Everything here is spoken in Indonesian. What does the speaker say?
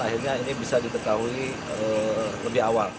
akhirnya ini bisa diketahui lebih awal